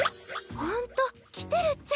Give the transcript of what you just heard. ホント来てるっちゃ。